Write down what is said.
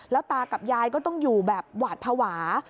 แล้วตากับยายก็ต้องอยู่แบบหวาดภาวะ